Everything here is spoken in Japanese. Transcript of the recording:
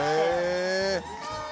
へえ。